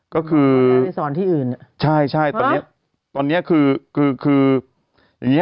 ก็คือใช่ตอนนี้คือ